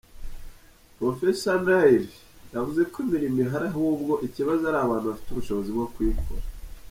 Prof Nair yavuze ko imirimo ihari ahubwo ikibazo ari abantu bafite ubushobozi bwo kuyikora.